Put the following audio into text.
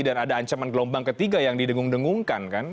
dan ada ancaman gelombang ketiga yang didengung dengungkan kan